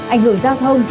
ảnh hưởng giao thông